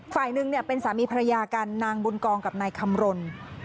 ฝ่ายหนึ่งเป็นสามีภรรยากันนางบุญกองกับนายคำรณ